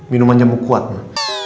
minuman jemput kuat ma